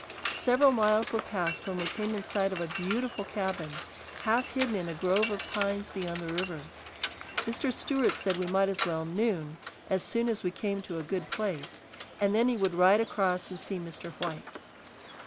Several miles were passed when we came in sight of a beautiful cabin, half hidden in a grove of pines beyond the river. Mr. Stewart said we might as well "noon" as soon as we came to a good place, and then he would ride across and see Mr. White.